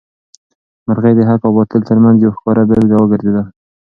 مرغۍ د حق او باطل تر منځ یو ښکاره بېلګه وګرځېده.